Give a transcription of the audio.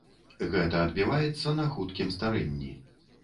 Гэта адбіваецца на хуткім старэнні.